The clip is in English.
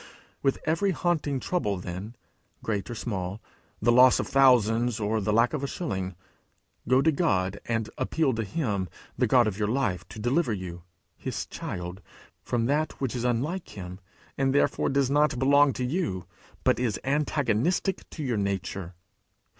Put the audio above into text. With every haunting trouble then, great or small, the loss of thousands or the lack of a shilling, go to God, and appeal to him, the God of your life, to deliver you, his child, from that which is unlike him, therefore does not belong to you, but is antagonistic to your nature.